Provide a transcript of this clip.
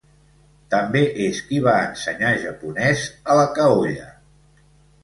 També és qui va ensenyar japonès a la Kaolla.